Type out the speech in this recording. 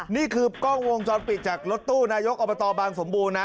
นี่คือกล้องวงจรปิดจากรถตู้นายกอบตบางสมบูรณ์นะ